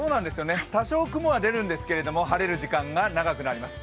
多少雲が出るんですが晴れる時間が長くなります。